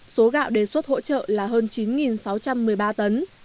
số gạo đề xuất hỗ trợ là hơn chín sáu trăm một mươi ba tấn